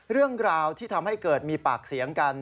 เรื่องราวที่ทำให้เกิดมีปากเสียงกัน